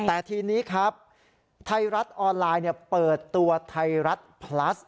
แต่ทีนี้ครับไทยรัฐออนไลน์เปิดตัวไทยรัฐพลัส